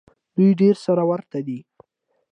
دوی ډېر سره ورته دي.